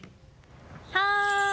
はい！